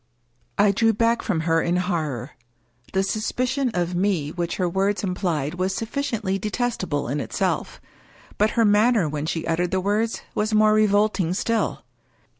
I drew back from her in horror. The suspicion of me which her words implied was sufficiently detestable in itself. But her manner when she uttered the words was more re volting still.